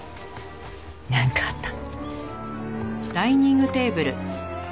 なんかあった？